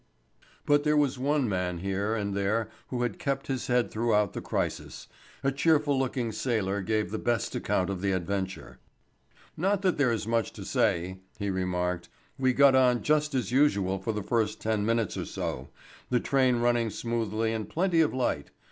But there was one man here and there who had kept his head throughout the crisis. A cheerful looking sailor gave the best account of the adventure. "Not that there is much to say," he remarked. "We got on just as usual for the first ten minutes or so, the train running smoothly and plenty of light.